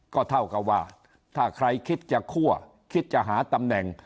ก็เท่ากับว่าถ้าใครคิดจะคั่วคิดจะหาตำแหน่ง